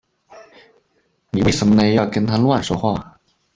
妳为什呢要跟他乱说话